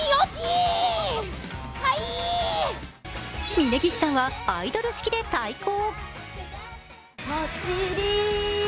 峯岸さんはアイドル式で対抗。